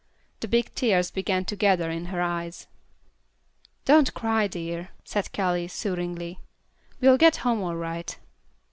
The big tears began to gather in her eyes. "Don't cry, dear," said Callie, soothingly. "We'll get home all right."